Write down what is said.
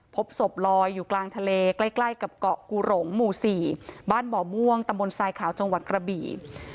พบศพลอยอยู่กลางทะเลใกล้กับเกาะกูหลงหมู่๔บ้านบ่อม่วงตำบลทรายขาวจังหวัดกระบี่